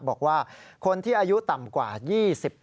บอกว่าคนที่อายุต่ำกว่า๒๐ปี